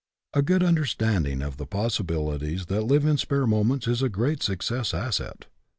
A good understanding of the possibilities that live in spare moments is a great success asset.